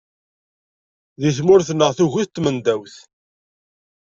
Di tmurt-nneɣ tugi-t tmendawt.